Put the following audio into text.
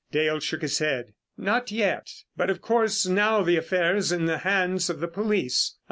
Dale shook his head. "Not yet. But, of course, now the affair is in the hands of the police.